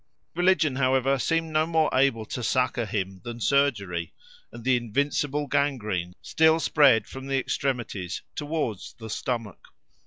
Religion, however, seemed no more able to succour him than surgery, and the invincible gangrene still spread from the extremities towards the stomach.